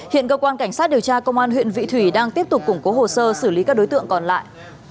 hiện cơ quan cảnh sát điều tra công an huyện vị thủy đang tiếp tục củng cố hồ sơ xử lý các đối tượng còn lại